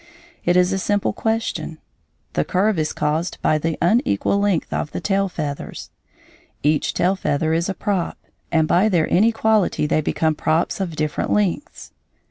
It is a simple question. The curve is caused by the unequal length of the tail feathers; each tail feather is a prop, and by their inequality they become props of different lengths.